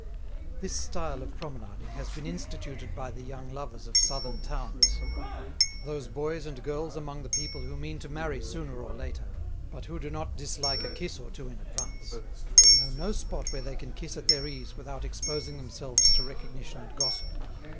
This style of promenading has been instituted by the young lovers of Southern towns. Those boys and girls among the people who mean to marry sooner or later, but who do not dislike a kiss or two in advance, know no spot where they can kiss at their ease without exposing themselves to recognition and gossip.